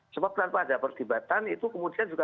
sebab tanpa ada perdebatan itu kemudian juga